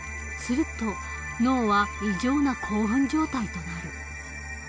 すると脳は異常な興奮状態となる。